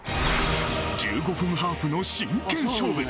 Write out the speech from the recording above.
１５分ハーフの真剣勝負！